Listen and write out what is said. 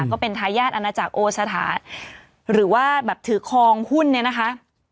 ก็เป็นทายาทอาณาจักรโอสถาหรือว่าถือครองหุ้นนะคะ